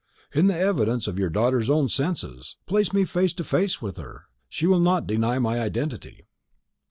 "The evidence of your daughter's own senses. Place me face to face with her; she will not deny my identity."